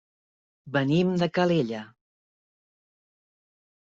Venim de Calella.